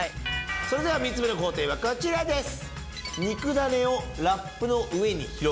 それでは３つ目の工程はこちらです。